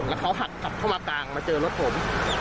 แล้วเขาหักกลับเข้ามากลางมาเจอรถผม